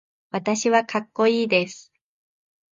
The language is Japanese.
私はかっこいいです。